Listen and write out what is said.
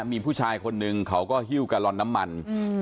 มีผู้ชายคนนึงเขาก็หิ้วกะลอนน้ำมันอืม